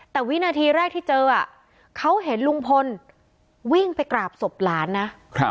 แต่วินาทีแรกที่เจอเขาเห็นลุงพลวิ่งไปกราบศพหลานนะ